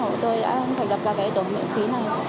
mà tôi đã thành lập ra tổng nguyện khí này